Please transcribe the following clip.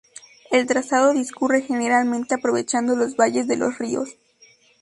El trazado discurre generalmente aprovechando los valles de los ríos.